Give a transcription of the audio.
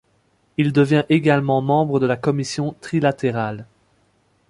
Il devient également membre de la Commission Trilatérale.